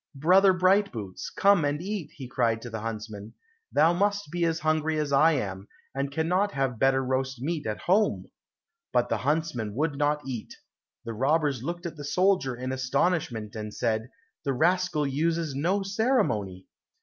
"Brother Brightboots, come and eat," cried he to the huntsman; "thou must be as hungry as I am, and cannot have better roast meat at home," but the huntsman would not eat. The robbers looked at the soldier in astonishment, and said, "The rascal uses no ceremony."